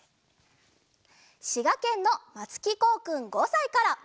しがけんのまつきこうくん５さいから。